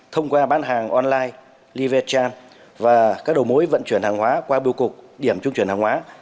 thông qua bán hàng online live chan và các đầu mối vận chuyển hàng hóa qua biểu cục điểm trung chuyển hàng hóa